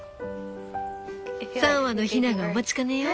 ３羽のヒナがお待ちかねよ。